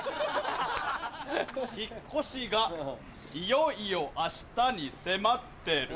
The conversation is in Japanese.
引っ越しがいよいよ明日に迫ってる